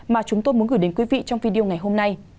mà chúng tôi muốn gửi đến quý vị trong video ngày hôm nay